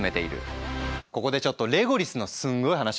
ここでちょっとレゴリスのすんごい話をもう一個。